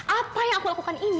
apa yang aku lakukan ini